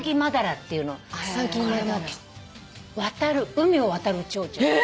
海を渡るチョウチョ。